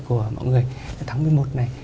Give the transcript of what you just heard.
của mọi người tháng một mươi một này